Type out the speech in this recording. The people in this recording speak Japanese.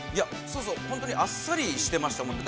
◆本当にあっさりしてましたもんね。